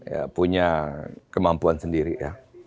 ya punya kemampuan sendiri ya